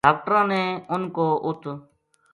ڈاکٹراں نے اُنھ کو اُ